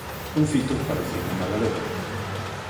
Un fito para o cinema galego.